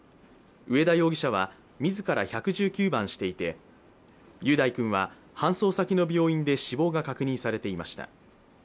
上田容疑者は、自ら１１９番していて雄大君は搬送先の病院で死亡が確認されていました。